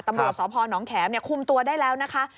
ตำรวจสพนแขมคุมตัวได้แล้วนะคะ